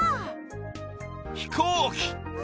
飛行機。